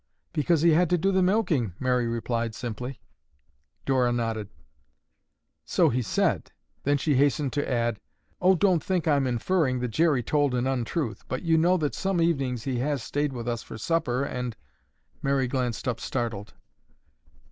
"Because he had to do the milking," Mary replied simply. Dora nodded. "So he said." Then she hastened to add, "Oh, don't think I'm inferring that Jerry told an untruth, but you know that some evenings he has stayed with us for supper and—" Mary glanced up startled.